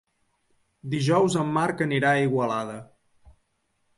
Dijous en Marc anirà a Igualada.